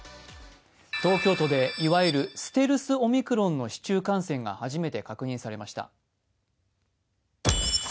東京都でいわゆるステルスオミクロンの市中感染が初めて確認されました。